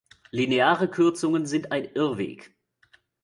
Lineare Kürzungen sind ein Irrweg!